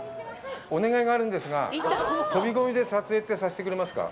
お願いがあるんですが飛び込みで撮影ってさせてくれますか。